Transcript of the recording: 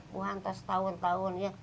bukan terus tahun tahun